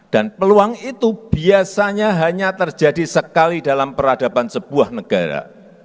dan peluang itu biasanya hanya terjadi sekali dalam peradaban sebuah negara